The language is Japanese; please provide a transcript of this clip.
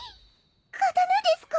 刀ですか？